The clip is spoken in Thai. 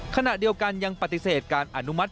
ขณะเดียวกันยังปฏิเสธการอนุมัติ